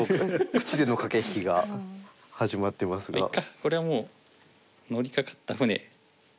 これはもう乗りかかった船。